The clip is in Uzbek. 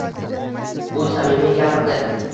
U samimiy gapirdi